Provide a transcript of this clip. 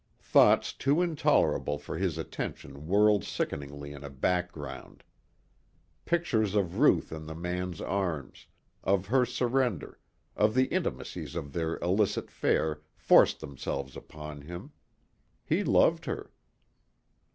Thoughts too intolerable for his attention whirled sickeningly in a background. Pictures of Ruth in the man's arms, of her surrender, of the intimacies of their illicit affair forced themselves upon him. He loved her.